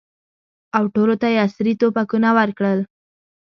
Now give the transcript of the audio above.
او ټولو ته یې عصري توپکونه ورکړل.